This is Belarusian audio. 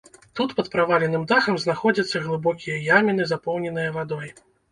Тут пад праваленым дахам знаходзяцца глыбокія яміны, запоўненыя вадой.